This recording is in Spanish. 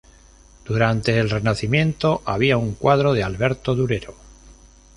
Durante el Renacimiento había un cuadro de Alberto Durero.